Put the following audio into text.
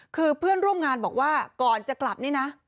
คือเพื่อนร่วมงานบอกว่าก่อนจะกลับนี่นะ